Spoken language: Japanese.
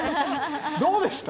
どうでした？